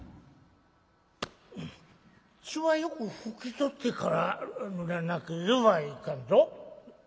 「血はよく拭き取ってから塗らなければいかんぞ。